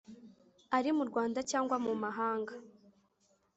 ari mu Rwanda cyangwa mu mahanga